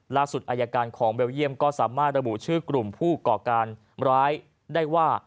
อายการของเบลเยี่ยมก็สามารถระบุชื่อกลุ่มผู้ก่อการร้ายได้ว่า